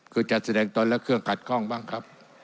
คือจัดแสดงตนและเครื่องขัดข้องบ้างครับ